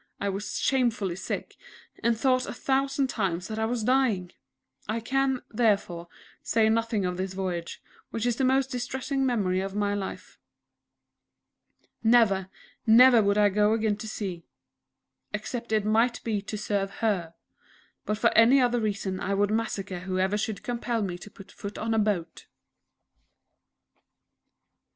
I was shamefully sick, and thought a thousand times that I was dying! I can, therefore, say nothing of this voyage, which is the most distressing memory of my life. Never, never would I go again to sea except it might be to serve Her. But for any other reason I would massacre whoever should compel me to put foot on a boat!...